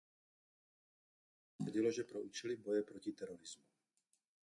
Původně se stále tvrdilo, že pro účely boje proti terorismu.